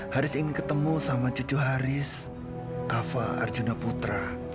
haris ingin ketemu sama cucu haris kava arjuna putra